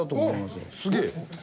すげえ。